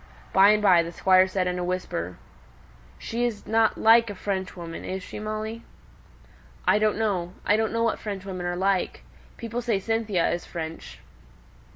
By and by the Squire said in a whisper, "She's not like a Frenchwoman, is she, Molly?" "I don't know. I don't know what Frenchwomen are like. People say Cynthia is French."